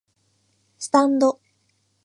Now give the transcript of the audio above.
スタンド